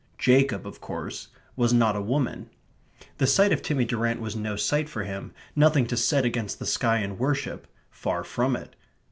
Jacob, of course, was not a woman. The sight of Timmy Durrant was no sight for him, nothing to set against the sky and worship; far from it.